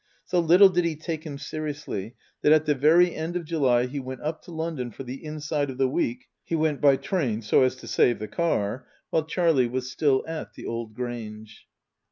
So little did he take him seriously that at the very end of July he went up to London for the inside of the week (he went by train so as to save the car) while Charlie was still at the Old Grange.